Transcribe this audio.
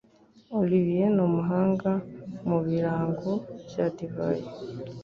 Olivier numuhanga mubirango bya divayi